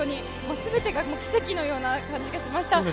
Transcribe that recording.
全てが奇跡のような感じがしました。